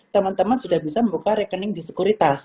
teman teman sudah bisa membuka rekening di sekuritas